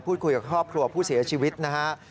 พูดคุยกับครอบครัวผู้เสียชีวิตนะฮะ